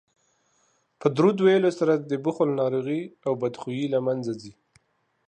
په درود ویلو سره د بخل ناروغي او بدخويي له منځه ځي